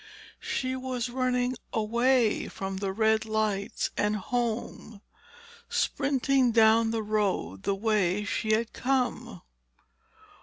She was running away from the red lights and home, sprinting down the road the way she had come.